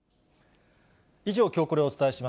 以上、きょうコレをお伝えし